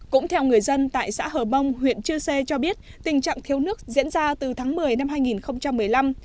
cũng theo người dân tại xã hờ bông huyện chư sê cho biết tình trạng thiếu nước diễn ra từ tháng một mươi năm hai nghìn một mươi năm